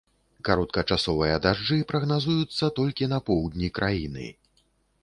Кароткачасовыя дажджы прагназуюцца толькі на поўдні краіны.